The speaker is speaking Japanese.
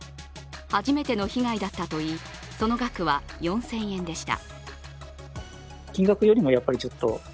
初めての被害だったといい、その額は４０００円でした。